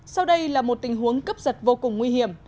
sau đây là một tình huống cấp giật vô cùng nguy hiểm